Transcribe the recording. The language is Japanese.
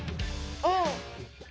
うん。